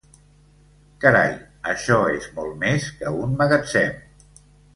Carai, això és molt més que un magatzem.